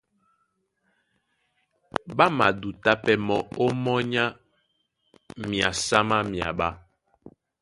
Ɓá madutá pɛ́ mɔ́ ómɔ́ny na myasa má myaɓá.